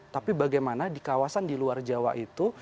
tapi bagaimana di kawasan di luar jawa itu